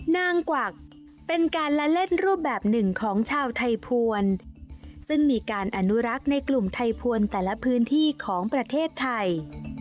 นางกวักเป็นการละเล่นรูปแบบหนึ่งของชาวไทยภวรซึ่งมีการอนุรักษ์ในกลุ่มไทยพวนแต่ละพื้นที่ของประเทศไทย